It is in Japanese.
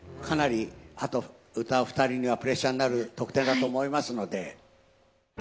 かなりあと歌う２人にはプレッシャーになる得点だと思いますので。